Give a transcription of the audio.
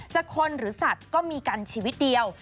คนหรือสัตว์ก็มีกันชีวิตเดียว